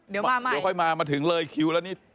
เดี๋ยวค่อยมามาถึงเลยคิวแล้วนี่